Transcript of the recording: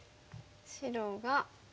白が。